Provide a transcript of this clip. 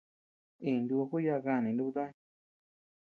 Iña niku yaʼa kanii jinubtoñ.